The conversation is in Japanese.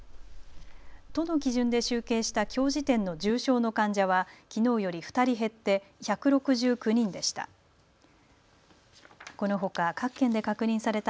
都の基準で集計したきょう時点の重症の患者はきのうより２人減って１６９人でした。